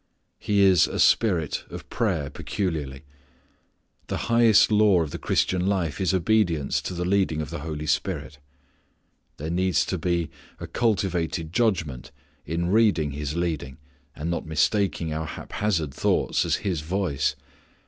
He is a Spirit of prayer peculiarly. The highest law of the Christian life is obedience to the leading of the Holy Spirit. There needs to be a cultivated judgment in reading His leading, and not mistaking our haphazard thoughts as His voice.